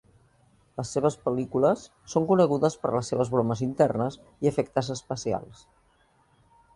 Les seves pel·lícules són conegudes per les seves bromes internes i efectes especials.